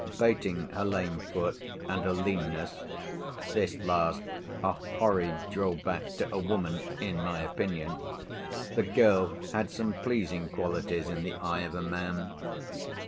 Bating her lame foot and her leanness (this last a horrid draw back to a woman, in my opinion), the girl had some pleasing qualities in the eye of a man.